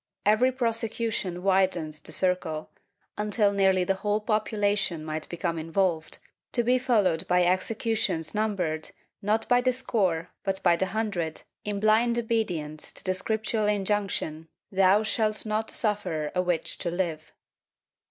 Every prosecution widened the circle, until nearly the whole population might become involved, to be followed by executions numbered, not by the score but by the hundred, in blind obedience to the scriptural injunction ''Thou shalt not suffer a witch to live."